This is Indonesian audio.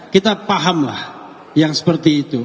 kita pahamlah yang seperti itu